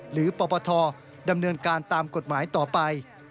ปปทดำเนินการตามกฎหมายต่อไป